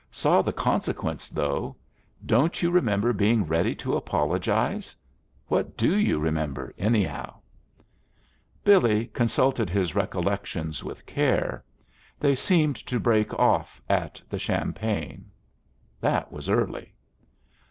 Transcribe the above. Saw the consequences, though. Don't you remember being ready to apologize? What do you remember, anyhow?" Billy consulted his recollections with care: they seemed to break off at the champagne. That was early.